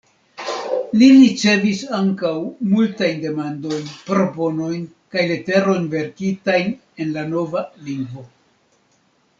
Li ricevis ankaŭ multajn demandojn, proponojn, kaj leterojn verkitajn en la nova lingvo.